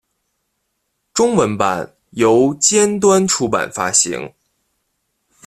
中文版由尖端出版发行。